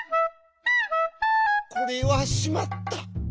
「これはしまった。